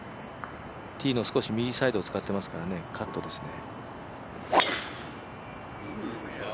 ティーの少し右サイドを使っていますから、カットですね。